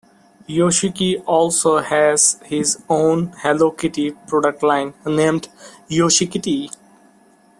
Yoshiki also has his own Hello Kitty product line, named "Yoshikitty".